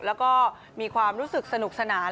แล้วก็มีความรู้สึกสนุกสนาน